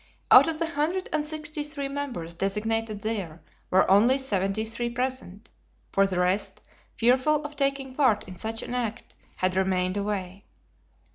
Out of the hundred and sixty three members designated there were only seventy three present, for the rest, fearful of taking part in such an act, had remained away.